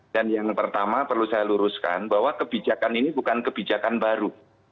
dan yang pertama perlu saya luruskan bahwa kebijakan ini bukan kebijakan baru